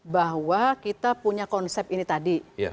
bahwa kita punya konsep ini tadi